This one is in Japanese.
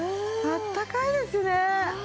あったかいですね。